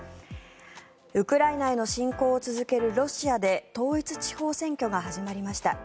ウクライナへの侵攻を続けるロシアで統一地方選挙が始まりました。